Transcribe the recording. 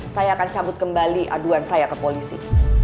saya akan cabut kembali aduan saya ke polisi